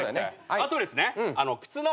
あとですね靴の。